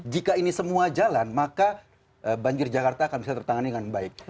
jika ini semua jalan maka banjir jakarta akan bisa tertangani dengan baik